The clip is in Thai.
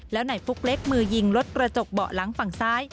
แล้วในฟุกเล็กมือยิงรถกระจกเบาะหลังฝั่งซ้าย